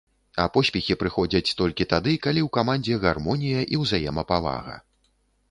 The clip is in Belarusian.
А поспехі прыходзяць толькі тады, калі ў камандзе гармонія і ўзаемапавага.